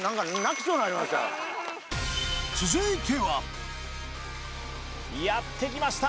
続いてはやってきました